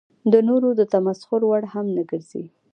د نورو د تمسخر وړ هم نه ګرځي.